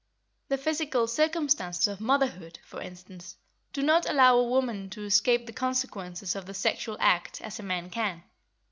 The physical circumstances of motherhood, for instance, do not allow a woman to escape the consequences of the sexual act as a man can.